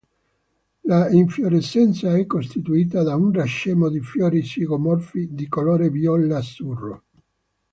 L'infiorescenza è costituita da un racemo di fiori zigomorfi di colore viola-azzurro.